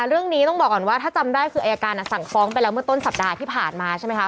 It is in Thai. เรื่องนี้ต้องบอกก่อนว่าถ้าจำได้คืออายการสั่งฟ้องไปแล้วเมื่อต้นสัปดาห์ที่ผ่านมาใช่ไหมคะ